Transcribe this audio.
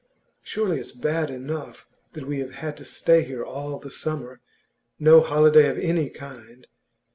Surely it's bad enough that we have had to stay here all the summer; no holiday of any kind.